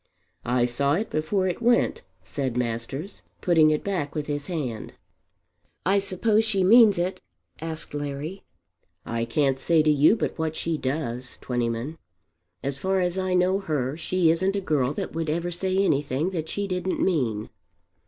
"I saw it before it went," said Masters putting it back with his hand. "I suppose she means it?" asked Larry. "I can't say to you but what she does, Twentyman. As far as I know her she isn't a girl that would ever say anything that she didn't mean."